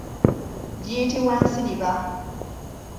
Giyitibwa nsiriba.